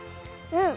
うん！